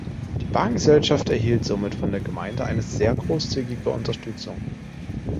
Die Bahngesellschaft erhielt somit von der Gemeinde eine sehr grosszügige Unterstützung.